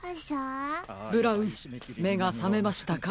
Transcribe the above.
ブラウンめがさめましたか？